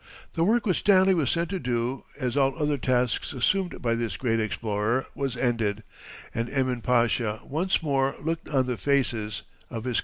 The work which Stanley was sent to do, as all other tasks assumed by this great explorer, was ended, and Emin Pasha once more looked on the faces of his countrymen.